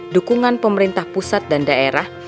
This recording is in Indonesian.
dukungan pemerintah pusat dan daerah